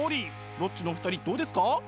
ロッチの２人どうですか？